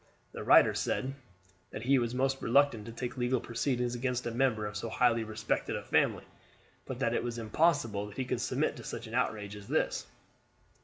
The writer said that he was most reluctant to take legal proceedings against a member of so highly respected a family, but that it was impossible that he could submit to such an outrage as this.